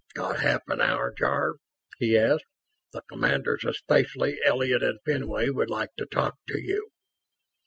"Got half an hour, Jarve?" he asked. "The commanders, especially Elliott and Fenway, would like to talk to you."